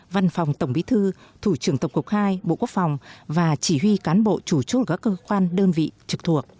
văn phòng tổng bí thư thủ trưởng tổng cục hai bộ quốc phòng và chỉ huy cán bộ chủ chốt ở các cơ quan đơn vị trực thuộc